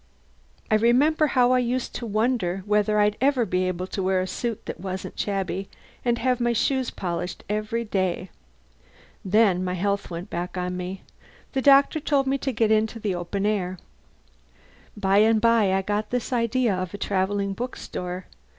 I remember how I used to wonder whether I'd ever be able to wear a suit that wasn't shabby and have my shoes polished every day. Then my health went back on me. The doctor told me to get into the open air. By and by I got this idea of a travelling bookstore.